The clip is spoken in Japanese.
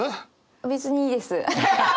別にいいです。